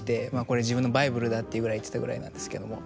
「これ自分のバイブルだ」っていうぐらい言ってたぐらいなんですけども。